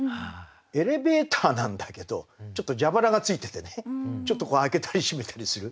エレベーターなんだけどちょっと蛇腹がついててね開けたり閉めたりする。